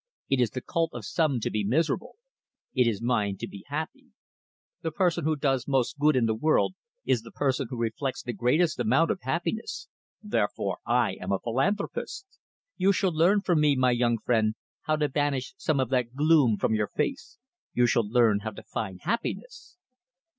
It is the cult of some to be miserable; it is mine to be happy. The person who does most good in the world is the person who reflects the greatest amount of happiness. Therefore, I am a philanthropist. You shall learn from me, my young friend, how to banish some of that gloom from your face. You shall learn how to find happiness."